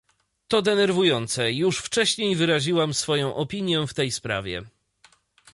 To denerwujące, już wcześniej wyraziłam swoją opinię w tej sprawie